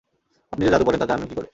আপনি যে জাদু পারেন, তা জানলেন কী করে?